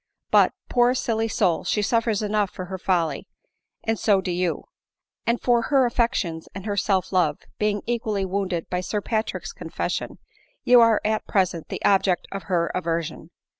But, poor silly soul ! she suffers enough for her folly, and so do you ; for her affections and her self love, being equally wounded by Sir Patrick's confession, you are at present the object of her aversion.